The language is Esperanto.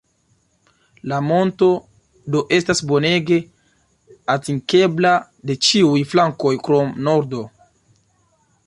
La monto do estas bonege atingebla de ĉiuj flankoj krom nordo.